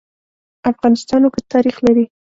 افغانستان اوږد تاریخ لري.